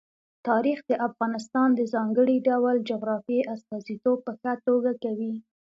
تاریخ د افغانستان د ځانګړي ډول جغرافیې استازیتوب په ښه توګه کوي.